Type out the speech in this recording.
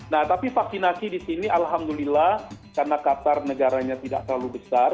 nah tapi vaksinasi di sini alhamdulillah karena qatar negaranya tidak terlalu besar